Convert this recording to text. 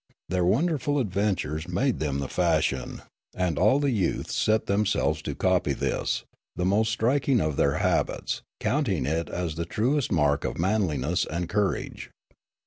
Their wonderful adventures made them the fashion ; and all the youths set themselves to copy 56 Riallaro this, the most striking of their habits, counting it as the truest mark of manliness and courage.